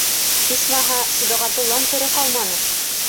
Исмаһа, Сибәғәтуллам тере ҡалманы!